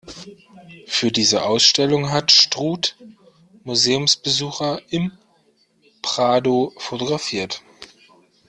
Für diese Ausstellung hat Struth Museumsbesucher im Prado fotografiert.